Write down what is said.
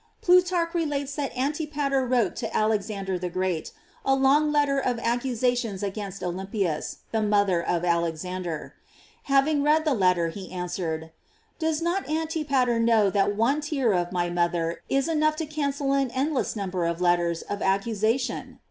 Plutarch re lates that Antipater wrote to Alexander the Great a long letter of accusations against Olympias, the mother of Alexander. Having read the letter, he answered: "Does not Anti pater know that one tear of my mother is enough to cancel an endless number of letters of ac cusation